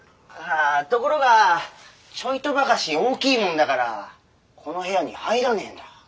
あところがちょいとばかし大きいもんだからこの部屋に入らねえんだ。